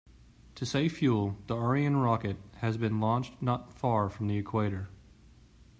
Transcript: To save fuel, the Ariane rocket has been launched not far from the equator.